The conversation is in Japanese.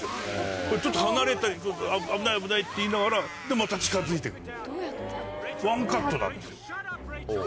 これちょっと離れたり危ない危ないって言いながらでまた近づいて来るとワンカットなんですよ。